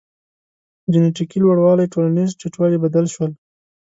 جنټیکي لوړوالی ټولنیز ټیټوالی بدل شو.